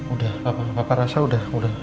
udah bapak rasa udah